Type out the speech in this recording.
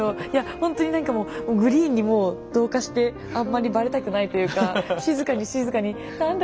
ほんとに何かこうグリーンにもう同化してあんまりバレたくないというか静かに静かに何だ